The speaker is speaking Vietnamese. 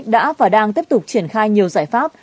đã và đang tiếp tục triển khai nhiều giải pháp